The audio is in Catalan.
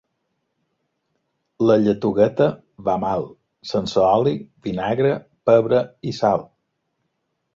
La lletugueta va mal, sense oli, vinagre, pebre i sal.